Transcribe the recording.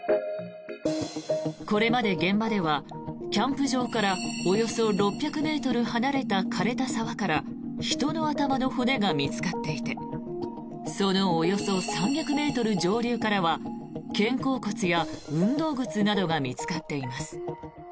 これまで現場ではキャンプ場からおよそ６００ｍ離れた枯れた沢から人の頭の骨が見つかっていてそのおよそ３００ｍ上流からは肩甲骨や運動靴などが見つかっています。